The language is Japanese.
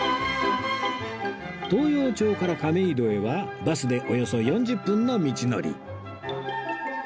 東陽町から亀戸へはバスでおよそ４０分の道のり